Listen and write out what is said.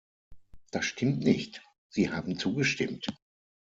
Das stimmt nicht, sie haben zugestimmt.